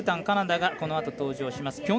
カナダが、このあと登場します。